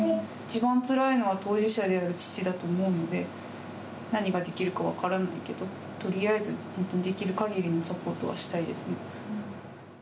一番つらいのは、当事者である父だと思うので、何ができるか分からないけど、とりあえずできるかぎりのサポートはしたいですね。